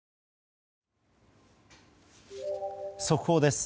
速報です。